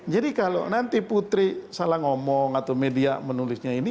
jadi kalau nanti putri salah ngomong atau media menulisnya ini